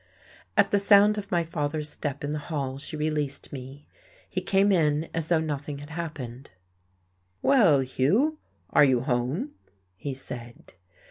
At the sound of my father's step in the hall she released me. He came in as though nothing had happened. "Well, Hugh, are you home?" he said....